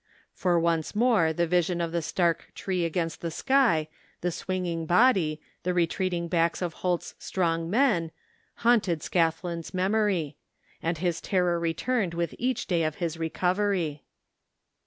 For once more the vision of the stark tree against the sky, the swinging body, the retreat ing backs of Holt's strong men, haunted Scathlin's memory ; and his terror returned with each day of his recovery.